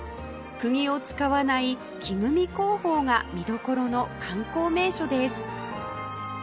釘を使わない木組み工法が見どころの観光名所です